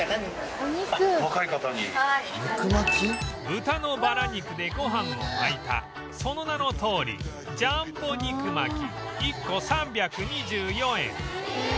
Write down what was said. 豚のバラ肉でご飯を巻いたその名のとおりジャンボ肉巻き１個３２４円